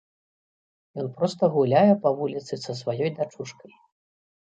Ён проста гуляе па вуліцы са сваёй дачушкай.